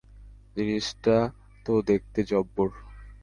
জিনিসটা তো দেখতে জব্বর।